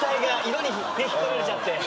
色に引っ張られちゃって。